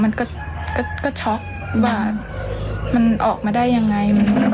มันก็ช็อกว่ามันออกมาได้ยังไง